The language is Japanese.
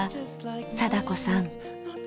貞子さん。